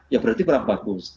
ya berarti kurang bagus